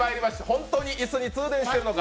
本当に椅子に通電してるのか。